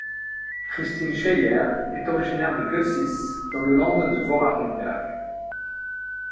Christine Scheyer est originaire de Götzis dans le land de Vorarlberg.